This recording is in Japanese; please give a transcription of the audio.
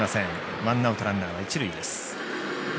ワンアウト、ランナーは一塁です。